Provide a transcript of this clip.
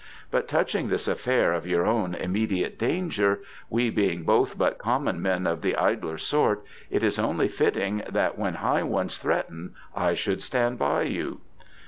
But touching this affair of your own immediate danger: we being both but common men of the idler sort, it is only fitting that when high ones threaten I should stand by you."